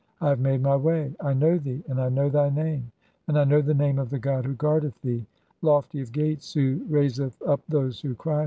I have made [my] way. I know thee, and I know "thy name, and I know the name of the god who guardeth (38) "thee. 'Lofty of gates, who raiseth up those who cry